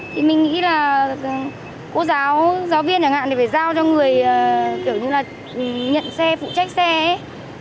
thì mình nghĩ là cô giáo giáo viên chẳng hạn thì phải giao cho người kiểu như là nhận xe phụ trách xe ấy